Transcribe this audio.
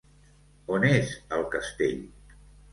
On és el castell?